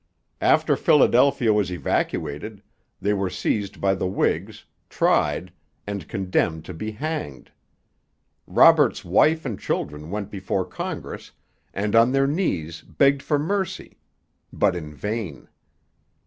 After Philadelphia was evacuated, they were seized by the Whigs, tried, and condemned to be hanged. Roberts's wife and children went before Congress and on their knees begged for mercy; but in vain.